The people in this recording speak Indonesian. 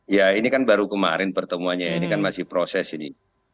ya ini kan baru kemarin pertemuannya ini kan masih proses ini